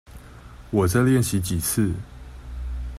我再練習幾次